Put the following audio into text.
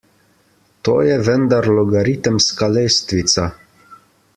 To je vendar logaritemska lestvica.